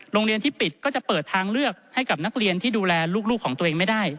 โรงเรียนที่ปิดก็จะเปิดทางเลือกให้กับนักเรียนที่ดูแลลูกของตัวเองไม่ได้